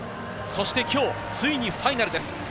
そして今日ついにファイナルです。